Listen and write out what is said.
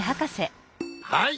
はい。